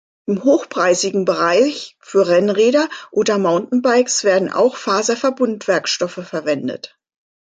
Im hochpreisigen Bereich für Rennräder oder Mountainbikes werden auch Faserverbundwerkstoffe verwendet.